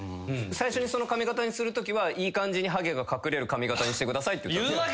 最初にその髪形にするときは「いい感じにハゲが隠れる髪形にしてください」って言ったんですか？